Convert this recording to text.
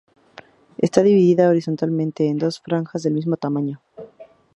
Está dividida horizontalmente en dos franjas del mismo tamaño.